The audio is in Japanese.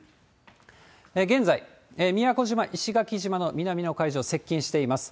現在、宮古島、石垣島の南の海上、接近しています。